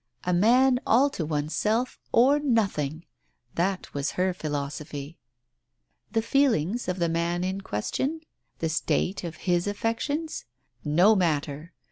A man all to oneself or nothing ! That was her philosophy. The feelings of the man in question ? The state of his affections? No matter!